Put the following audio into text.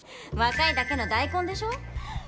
若いだけの大根でしょ。